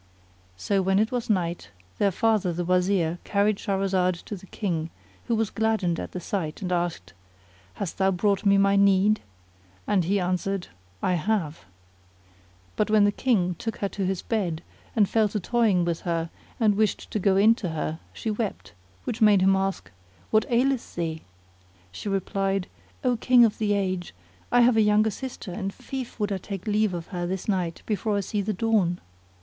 So when it was night their father the Wazir carried Shahrazad to the King who was gladdened at the sight and asked, "Hast thou brought me my need?" and he answered, "I have." But when the King took her to his bed and fell to toying with her and wished to go in to her she wept; which made him ask, "What aileth thee?" She replied, "O King of the age, I have a younger sister and lief would I take leave of her this night before I see the dawn."